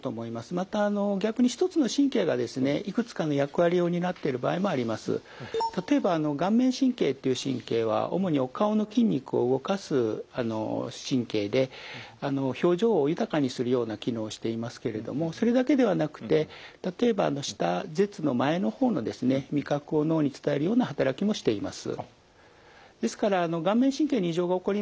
またあの逆に例えば顔面神経っていう神経は主にお顔の筋肉を動かす神経で表情を豊かにするような機能をしていますけれどもそれだけではなくて例えばような働きもしています。